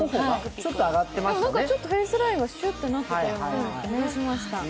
ちょっとフェイスラインがシュッとなっている気がしました。